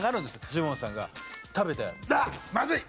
ジモンさんが食べて「うわっまずい！